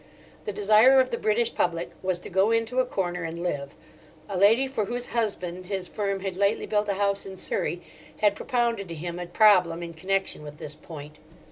The desire of the British public was to go into a corner and live. A lady for whose husband his firm had lately built a house in Surrey had propounded to him a problem in connection with this point.